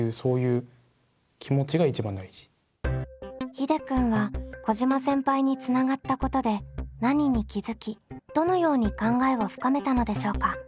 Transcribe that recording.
ひでくんは小嶋先輩につながったことで何に気付きどのように考えを深めたのでしょうか。